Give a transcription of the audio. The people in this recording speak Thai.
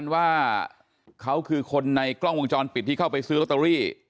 ว่าเขาคือคนในกล้องวงจรปิดที่เข้าไปซื้อลอตเตอรี่